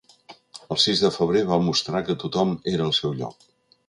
El sis de febrer va mostrar que tothom era al seu lloc.